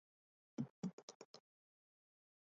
她也是迄今为止冰岛唯一的女总统。